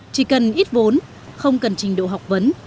chỉ cần ít vốn không cần trình độ học vấn